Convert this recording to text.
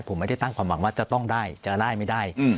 ผมไม่ได้ตั้งความหวังว่าจะต้องได้จะได้ไม่ได้